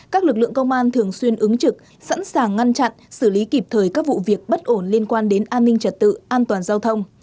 các lực lượng công an thường xuyên ứng trực sẵn sàng ngăn chặn xử lý kịp thời các vụ việc bất ổn liên quan đến an ninh trật tự an toàn giao thông